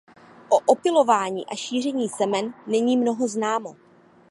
O opylování a šíření semen není mnoho známo.